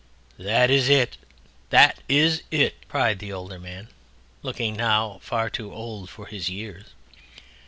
"That is it! That is it!" cried the Older Man, looking now far too old for his years.